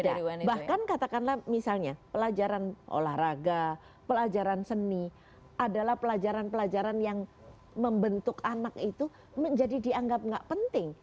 dari bahkan katakanlah misalnya pelajaran olahraga pelajaran seni adalah pelajaran pelajaran yang membentuk anak itu menjadi dianggap nggak penting